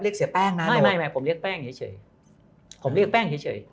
เรียกเสียแป้งนะไม่ผมเรียกแป้งเฉยผมเรียกแป้งเฉย